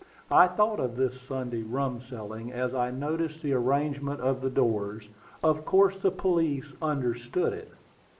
I thought of this Sunday rum selling as I noticed the arrangement of the doors. Of course the police understood it.